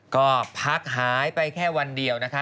ก็พักหายไปแค่วันเดียวนะคะ